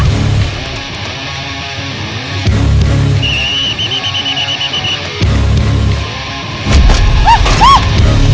mungkin macet saja